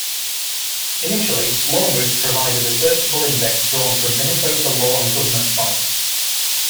Initially LawMoose provided a searchable index drawn from Minnesota law and government sites.